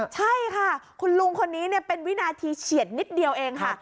ใช่ค่ะคุณลุงคนนี้เป็นวินาทีเฉียดนิดเดียวเองค่ะ